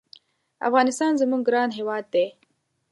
افغانستان زمونږ ګران هېواد دی